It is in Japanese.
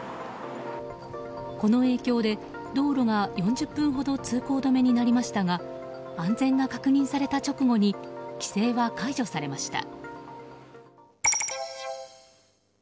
この影響で、道路が４０分ほど通行止めになりましたが安全が確認された直後に規制は解除されました。